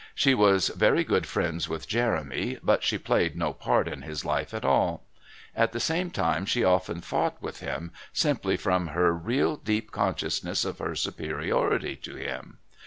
She was very good friends with Jeremy, but she played no part in his life at all. At the same time she often fought with him, simply from her real deep consciousness of her superiority to him.